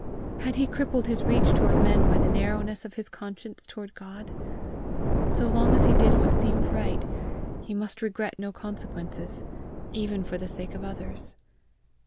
Had he crippled his reach toward men by the narrowness of his conscience toward God? So long as he did what seemed right, he must regret no consequences, even for the sake of others!